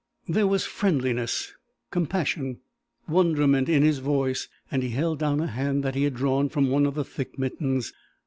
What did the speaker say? There was friendliness, compassion, wonderment in his voice, and he held down a hand that he had drawn from one of the thick mittens.